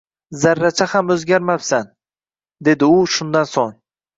Zarracha ham oʻzgarmabsan, – dedi u shundan soʻng.